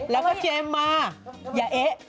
แล้วก็เจมมายะเอ๊ะ